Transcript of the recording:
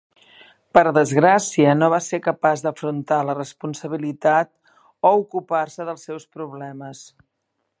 Per desgràcia, no va ser capaç d'afrontar la responsabilitat o ocupar-se dels seus problemes.